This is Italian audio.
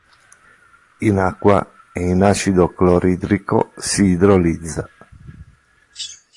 In acqua e in acido cloridrico si idrolizza.